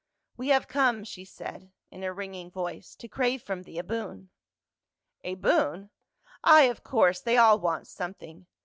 " We have come," she said in a ringing voice, "to crave from thee a boon." "A boon ? Ay, of course, they all want something.